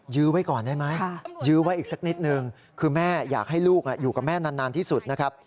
ื้อไว้ก่อนได้ไหมยื้อไว้อีกสักนิดนึงคือแม่อยากให้ลูกอยู่กับแม่นานที่สุดนะครับ